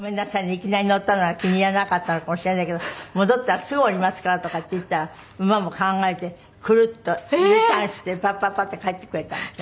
いきなり乗ったのが気に入らなかったのかもしれないけど戻ったらすぐ下りますから」とかって言ったら馬も考えてクルッとＵターンしてパッパッパッて帰ってくれたんですよ。